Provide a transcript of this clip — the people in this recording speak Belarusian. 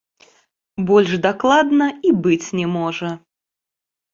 Больш дакладна і быць не можа.